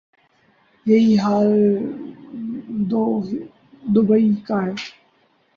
یہی حال دوبئی کا ہے۔